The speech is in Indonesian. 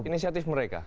ini inisiatif mereka